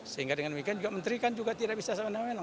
sehingga dengan begitu menteri kan juga tidak bisa sama sama